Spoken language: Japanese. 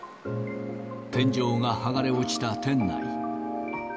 天井が剥がれ落ちた店内。